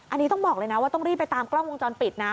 อันนี้ต้องบอกเลยนะว่าต้องรีบไปตามกล้องวงจรปิดนะ